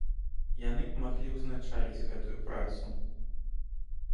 Яны б маглі ўзначаліць гэтую працу.